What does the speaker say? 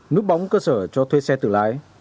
nước bóng cơ sở cho thuê xe tự lái